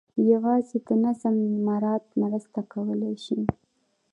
یوازې د نظم مراعات مرسته کولای شي.